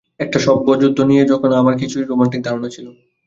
একটা সভ্য যুদ্ধ নিয়ে তখন আমার কিছু রোমান্টিক ধারণা ছিল।